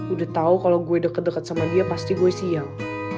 udah tau kalau gue deket deket sama dia pasti gue siang